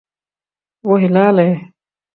وہ ہلال ہے